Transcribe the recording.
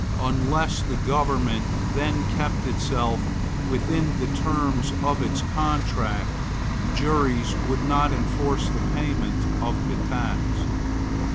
Unless the government then kept itself within the terms of its contract, juries would not enforce the payment of the tax.